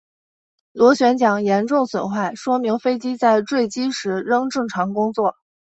螺旋桨严重损坏说明飞机在坠机时仍正常工作。